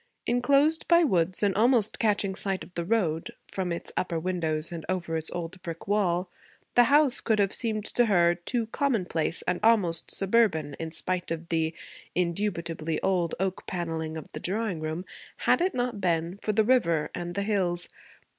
Enclosed by woods, and almost catching sight of the road, from its upper windows and over its old brick wall, the house could have seemed to her too commonplace and almost suburban, in spite of the indubitably old oak paneling of the drawing room, had it not been for the river and the hills.